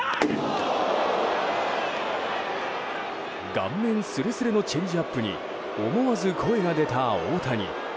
顔面すれすれのチェンジアップに思わず声が出た大谷。